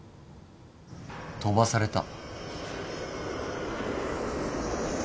飛ばされた。